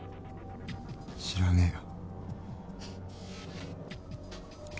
知らねえよ。